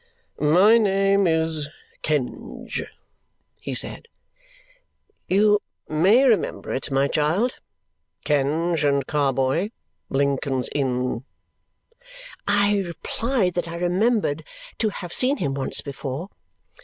"My name is Kenge," he said; "you may remember it, my child; Kenge and Carboy, Lincoln's Inn." I replied that I remembered to have seen him once before.